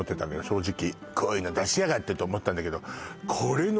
正直こういうの出しやがってと思ったんだけど・